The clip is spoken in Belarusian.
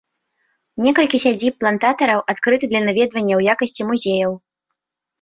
Некалькі сядзіб плантатараў адкрыты для наведвання ў якасці музеяў.